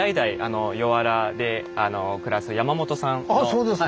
そうですか。